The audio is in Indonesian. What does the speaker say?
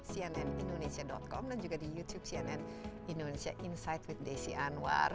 cnn indonesia com dan juga di youtube cnn indonesia insight with desi anwar